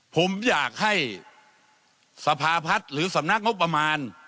ผมอยากให้สภาพัฒน์หรือสำนักงบประมาณ